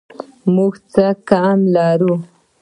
موږ څه کم لرو